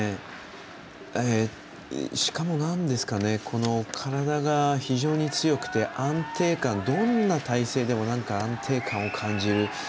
しかも、体が非常に強くて安定感、どんな体勢でも安定感を感じる。